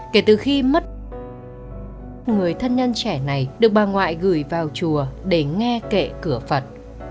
kể từ khi mất người thân nhân trẻ này được bà ngoại gửi vào chùa để nghe kệ cửa phật